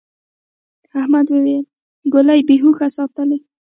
احمد وويل: گولۍ بې هوښه ساتلې.